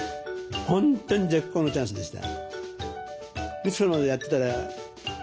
本当に絶好のチャンスでした。